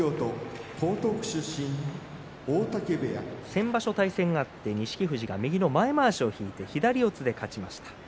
先場所、対戦があって錦富士が右の前まわしを引いて左四つで勝ちました。